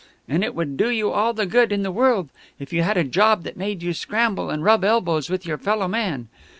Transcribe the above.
And it would do you all the good in the world if you had a job that made you scramble and rub elbows with your fellow men.